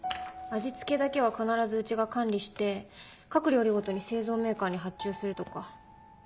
味付けだけは必ずうちが管理して各料理ごとに製造メーカーに発注するとか。